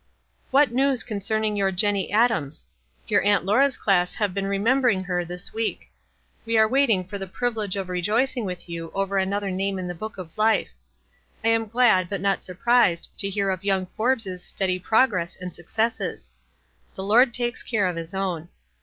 "What news concerning your Jenny Adams? Your Aunt Laura's class have been remember ing her this week. We are waiting for the 192 WISE AND OTHERWISE. privilege of rejoicing with you over another name in the Book of Life. I am glad but not surprised to hear of young Forbes' steady prog ress and successes — the Lord takes care of his own.